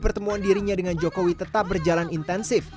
pertemuan dirinya dengan jokowi tetap berjalan intensif